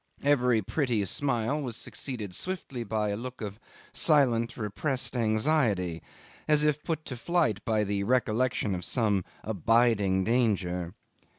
Every pretty smile was succeeded swiftly by a look of silent, repressed anxiety, as if put to flight by the recollection of some abiding danger.